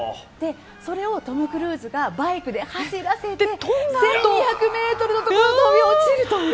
それをトム・クルーズがバイクで走らせて１２００メートルの所を飛び落ちるという。